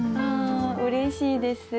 うれしいです。